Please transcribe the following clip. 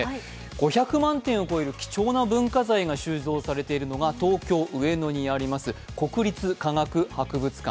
５０００万点を超える貴重な文化財が収蔵されているのが東京・上野にあります国立科学博物館。